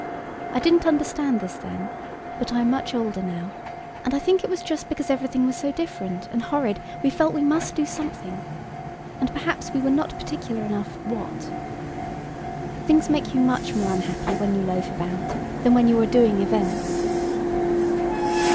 I didn't understand this then, but I am much older now, and I think it was just because everything was so different and horrid we felt we must do something; and perhaps we were not particular enough what. Things make you much more unhappy when you loaf about than when you are doing events.